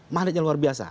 magnet yang luar biasa